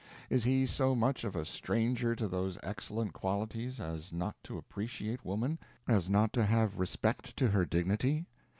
Is he so much of a stranger to those excellent qualities as not to appreciate woman, as not to have respect to her dignity?